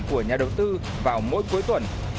của nhà đầu tư vào mỗi cuối tuần